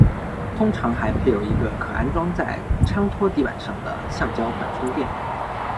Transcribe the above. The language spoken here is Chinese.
通常还配有一个可安装在枪托底板上的橡胶缓冲垫。